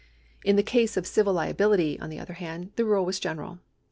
In the case of civil liability, on the other hand, the rule was general.